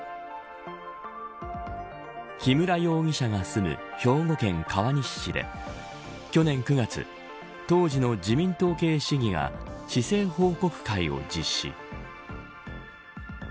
木村容疑者が住む兵庫県川西市で去年９月当時の自民党系市議が市政報告会を実施。